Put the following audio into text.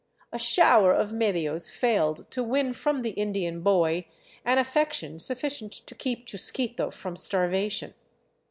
A shower of medios failed to win from the Indian boy an affection suffi cient to keep Chusquito from starvation.